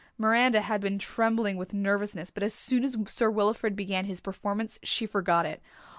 Miranda had been trembling with nervousness but as soon as Sir Wilfrid began his performance she forgot it.